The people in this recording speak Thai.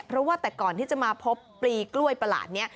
เพราะว่าแต่ก่อนที่จะมาพบปลีกล้วยประหลาดนี้